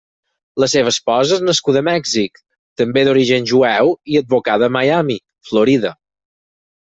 La seva esposa és nascuda a Mèxic, també d'origen jueu i advocada a Miami, Florida.